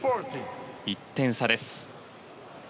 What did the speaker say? １点差です。